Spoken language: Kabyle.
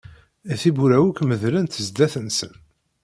Tiwwura akk medlent sdat-sen.